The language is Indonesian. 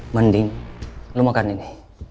mending lu makan ini